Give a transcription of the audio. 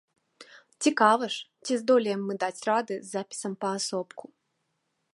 Цікава ж, ці здолеем мы даць рады з запісам паасобку.